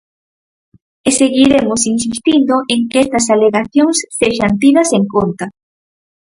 E seguiremos insistindo en que estas alegacións sexan tidas en conta.